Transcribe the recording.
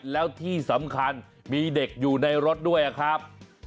แล้วที่สำคัญมีเด็กอยู่ในรถด้วยครับ